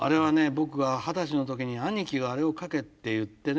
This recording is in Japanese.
僕が二十歳の時に兄貴があれを書けって言ってね